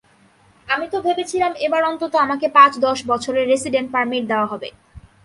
আমি তো ভেবেছিলাম এবার অন্তত আমাকে পাঁচ-দশ বছরের রেসিডেন্ট পারমিট দেওয়া হবে।